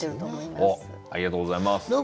おっありがとうございます。